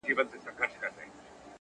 دده مخ د نمکينو اوبو ډنډ سي’